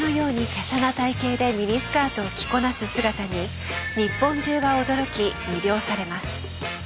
きゃしゃな体形でミニスカートを着こなす姿に日本中が驚き魅了されます。